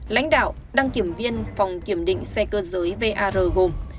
lãnh đạo đăng kiểm viên phòng kiểm định xe cơ giới var gồm